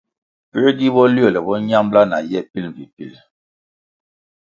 Puē gi boliole bo ñambʼla na ye pil mbpi pil?